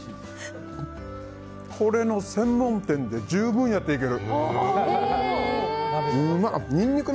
これの専門店で十分やっていける！